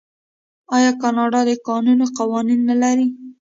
آیا کاناډا د کانونو قوانین نلري؟